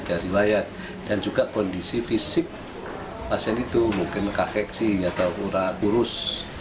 dan juga kondisi fisik pasien itu mungkin kakek sih atau kurus